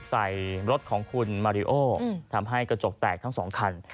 ใส่รถของคุณมาริโอทำให้กระจกแตกทั้งสองคัน